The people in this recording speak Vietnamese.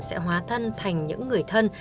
sẽ hóa thân thành những người thân